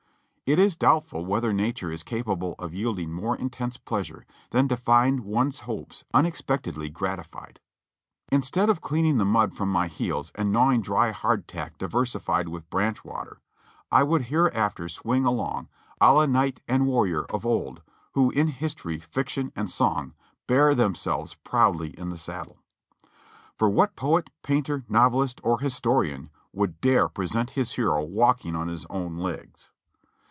It is doubtful whether Nature is capable of yielding more intense pleasure than to find one's hopes unexpectedly gratified. Instead of cleaning the mud from my heels and gnawing dry hardtack diversified with branch water, I would hereafter swing along "a la knight and warrior" of old, who in history, fiction and song bear themselves proudly in the saddle. For what poet, painter, novelist or historian would dare present his hero walking on his own legs?